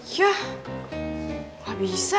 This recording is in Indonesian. yah gak bisa